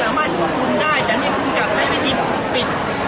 อาหรับเชี่ยวจามันไม่มีควรหยุด